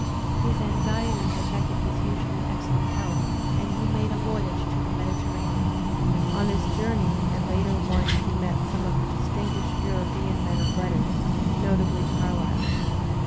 His anxieties affected his usually excellent health, and he made a voyage to the Mediterranean. On this journey and a later one he met some of the distinguished European men of letters, notably Carlyle.